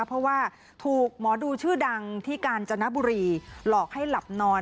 เพราะว่าถูกหมอดูชื่อดังที่กาญจนบุรีหลอกให้หลับนอน